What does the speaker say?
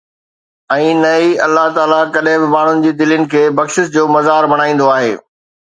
۽ نه ئي الله تعاليٰ ڪڏهن به ماڻهن جي دلين کي بخشش جو مزار بڻائيندو آهي.